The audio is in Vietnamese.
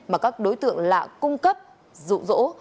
mà các đối tượng lạ cung cấp rụ rỗ